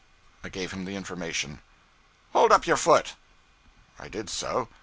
I gave him the information. 'Hold up your foot!' I did so.